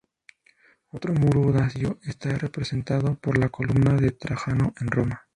Otro muro dacio está representado por la columna de Trajano en Roma.